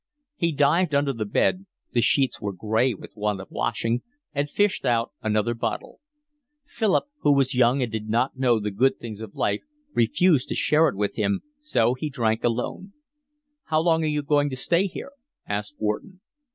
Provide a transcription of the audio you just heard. He dived under the bed (the sheets were gray with want of washing), and fished out another bottle. Philip, who was young and did not know the good things of life, refused to share it with him, so he drank alone. "How long are you going to stay here?" asked Wharton.